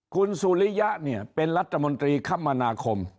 คุณสุริยะเนี่ยเป็นรัฐมนตรีคมนาคม